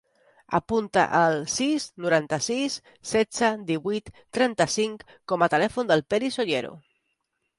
Apunta el sis, noranta-sis, setze, divuit, trenta-cinc com a telèfon del Peris Ollero.